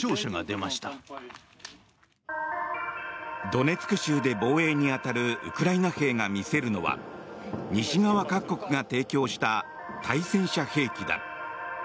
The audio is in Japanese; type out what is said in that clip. ドネツク州で防衛に当たるウクライナ兵が見せるのは西側各国が提供した対戦車兵器だ。